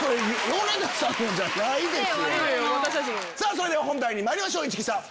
それでは本題にまいりましょう市來さん。